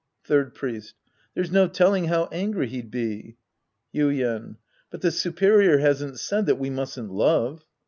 Third Priest. There's no telling how angry he'd be. Yuien. But the superior hasn't said that we mustn't love.